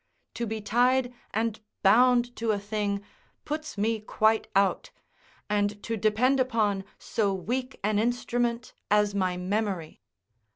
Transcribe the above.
To be tied and bound to a thing puts me quite out, and to depend upon so weak an instrument as my memory.